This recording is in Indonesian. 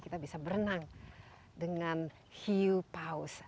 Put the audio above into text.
kita bisa berenang dengan hill pause